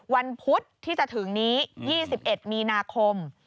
วันพุธที่จะถึงนี้๒๑มีนาคม